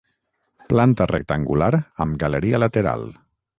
Planta rectangular amb galeria lateral.